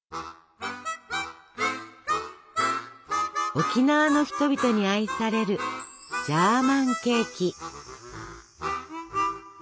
沖縄の人々に愛されるジャーマンケーキ。